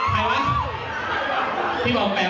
แบงก์เหรอ